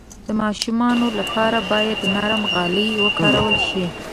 د ماشومانو لپاره باید نرم غالۍ وکارول شي.